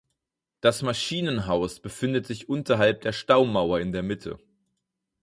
Das Maschinenhaus befindet sich unterhalb der Staumauer in der Mitte.